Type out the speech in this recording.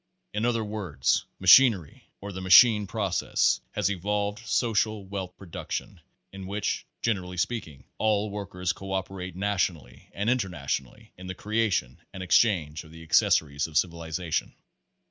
In other words, machinery or the Machine Process has evolved Social Wealth Production, in which, generally speaking, all workers co operate nationally and inter nationally in the creation and exchange of the acces sories .of civilization.